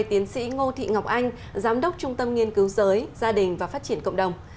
tiến sĩ ngô thị ngọc anh giám đốc trung tâm nghiên cứu giới gia đình và phát triển cộng đồng